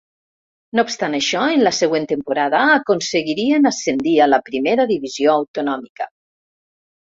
No obstant això, en la següent temporada aconseguirien ascendir a la Primera Divisió Autonòmica.